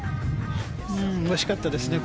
惜しかったですね